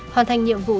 hoàn thành nhiệm vụ